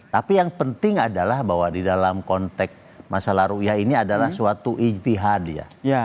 tapi yang penting adalah bahwa di dalam konteks masa lalu ya ini adalah suatu ijtihad ya